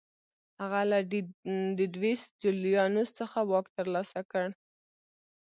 هغه له ډیډیوس جولیانوس څخه واک ترلاسه کړ